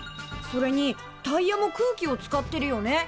それにタイヤも空気を使ってるよね。